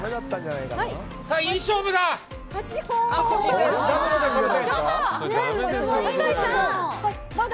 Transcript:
いい勝負だ！